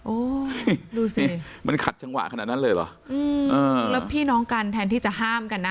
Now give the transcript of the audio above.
โอ้ยดูสิมันขัดจังหวะขนาดนั้นเลยเหรออืมแล้วพี่น้องกันแทนที่จะห้ามกันนะ